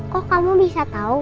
kok kamu bisa tau